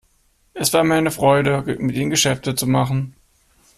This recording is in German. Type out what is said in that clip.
Es war mir eine Freude, mit Ihnen Geschäfte zu machen.